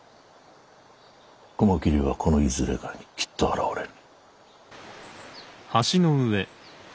雲霧はこのいずれかにきっと現れる。